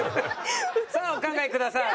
さあお考えください。